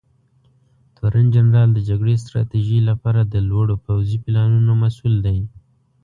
تورنجنرال د جګړې ستراتیژۍ لپاره د لوړو پوځي پلانونو مسوول دی.